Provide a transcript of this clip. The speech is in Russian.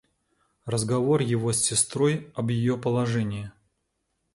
Разговор его с сестрой об ее положении.